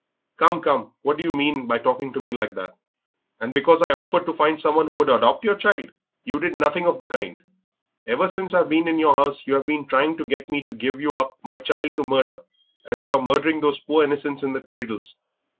"Come, come.... What do you mean by talking to me like that? And because I offered to find someone who would adopt your child." "You did nothing of the kind; ever since I've been in your house you have been trying to get me to give you up my child to murder as you are murdering those poor innocents in the cradles."